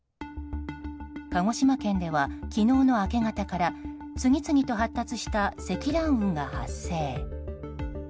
鹿児島県では昨日の明け方から次々と発達した積乱雲が発生。